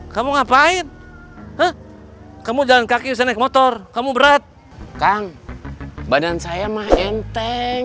kamu ngapain kamu jalan kaki bisa naik motor kamu berat kang badan saya mah enteng